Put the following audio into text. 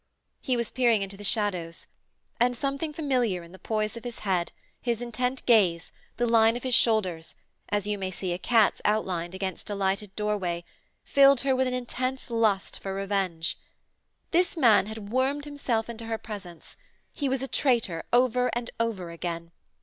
He was peering into the shadows and something familiar in the poise of his head, his intent gaze, the line of his shoulders, as you may see a cat's outlined against a lighted doorway, filled her with an intense lust for revenge. This man had wormed himself into her presence: he was a traitor over and over again.